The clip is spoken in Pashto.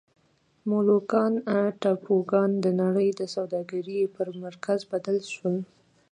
مولوکان ټاپوګان د نړۍ د سوداګرۍ پر مرکز بدل شول.